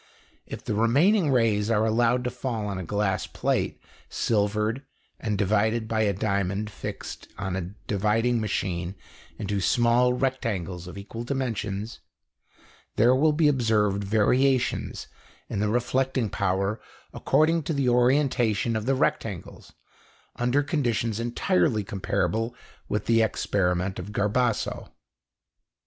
If the remaining rays are allowed to fall on a glass plate silvered and divided by a diamond fixed on a dividing machine into small rectangles of equal dimensions, there will be observed variations in the reflecting power according to the orientation of the rectangles, under conditions entirely comparable with the experiment of Garbasso.